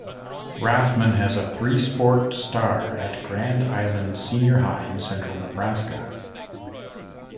Rathman was a three-sport star at Grand Island Senior High in central Nebraska.